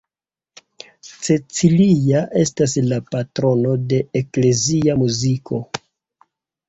Cecilia estas la patrono de eklezia muziko.